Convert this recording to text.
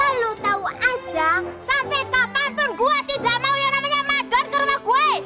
masa lo tau aja sampe kapan pun gua tidak mau yang namanya pak done ke rumah gue